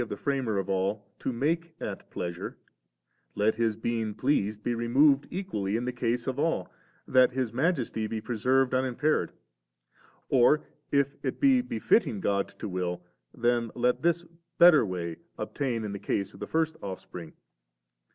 Digitized by Google DISCOURSE IIL 427 the Framer of all, to make at pleasure, let His being pleased be removed equally in the case of ally that His Majesty be preserved unim« paired. Or if it be befitting God to will, then let this better way obtain in the case of the first Offspring.